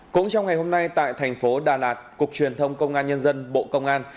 cũng trong ngày hôm nay tại thành phố đà lạt cục truyền thông công an nhân dân bộ công an